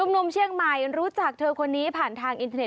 หนุ่มเชียงใหม่รู้จักเธอคนนี้ผ่านทางอินเทอร์เน็